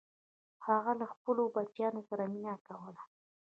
هغه له خپلو بچیانو سره مینه کوله.